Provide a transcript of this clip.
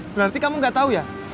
berarti kamu gak tau ya